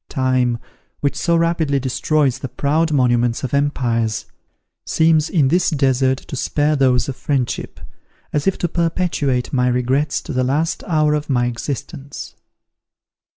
Time, which so rapidly destroys the proud monuments of empires, seems in this desert to spare those of friendship, as if to perpetuate my regrets to the last hour of my existence.